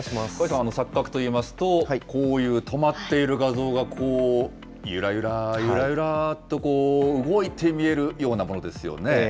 錯覚といいますと、こういう止まっている画像が、こうゆらゆら、ゆらゆらと動いて見えるようなものですよね。